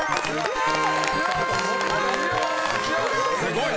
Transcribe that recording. すごい。